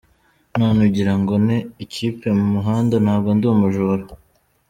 None ugira ngo nte ikipe mu muhanda ntabwo ndi umujura.